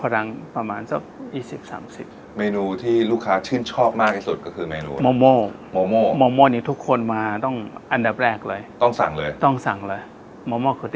ต้องอยากจะทราบว่าในประเทศไทย